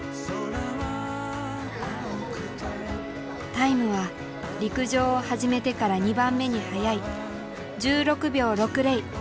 タイムは陸上を始めてから２番目に速い１６秒６０。